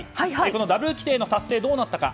このダブル規定の達成はどうなったか。